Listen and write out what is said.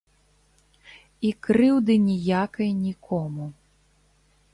І крыўды ніякай нікому.